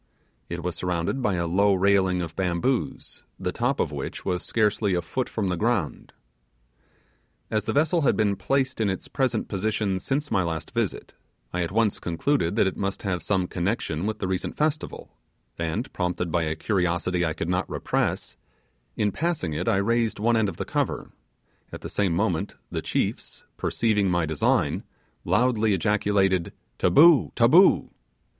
It was surrounded by a low railing of bamboos, the top of which was scarcely a foot from the ground. As the vessel had been placed in its present position since my last visit, I at once concluded that it must have some connection with the recent festival, and, prompted by a curiosity I could not repress, in passing it I raised one end of the cover; at the same moment the chiefs, perceiving my design, loudly ejaculated, 'Taboo! taboo!